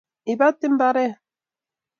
ibat imbaret